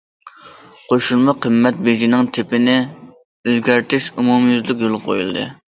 قوشۇلما قىممەت بېجىنىڭ تىپىنى ئۆزگەرتىش ئومۇميۈزلۈك يولغا قويۇلدى.